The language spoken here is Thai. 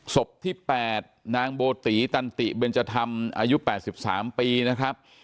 ศพที่๘นางโบตีตันติเบนจธรรมอายุ๘๓ปีนะครับ